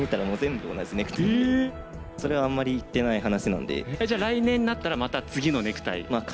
それはあんまり言ってない話なんで。